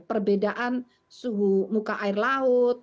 perbedaan suhu muka air laut